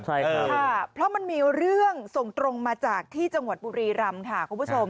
เพราะมันมีเรื่องส่งตรงมาจากที่จังหวัดปุรีรำ